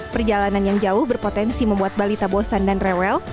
perjalanan yang jauh berpotensi membuat balita bosan dan rewel